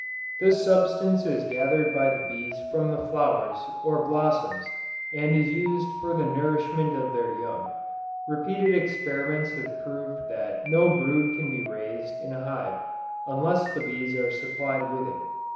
This substance is gathered by the bees from the flowers, or blossoms, and is used for the nourishment of their young. Repeated experiments have proved that no brood can be raised in a hive, unless the bees are supplied with it.